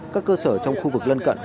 các cơ sở trong khu vực lân cận